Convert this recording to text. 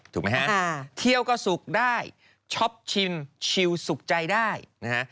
ถูกไหมฮะเที่ยวก็สุกได้ช็อปชิมชิวสุขใจได้นะฮะ